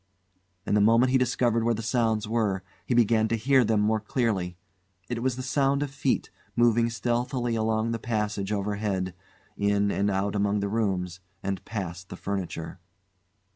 And the moment he discovered where the sounds were, he began to hear them more clearly. It was the sound of feet, moving stealthily along the passage overhead, in and out among the rooms, and past the furniture.